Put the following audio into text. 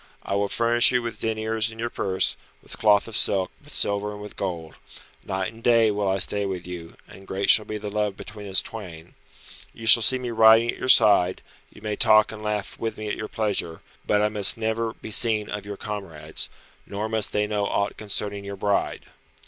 I will furnish you with deniers in your purse, with cloth of silk, with silver and with gold. Night and day will I stay with you, and great shall be the love between us twain. You shall see me riding at your side; you may talk and laugh with me at your pleasure, but I must never be seen of your comrades, nor must they know aught concerning your bride.